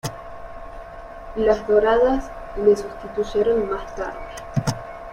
Las doradas les sustituyeron más tarde.